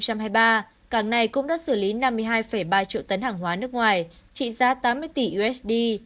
cảng này cũng đã xử lý năm mươi hai ba triệu tấn hàng hóa nước ngoài trị giá tám mươi tỷ usd